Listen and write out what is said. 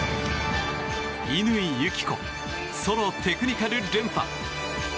乾友紀子ソロテクニカル連覇。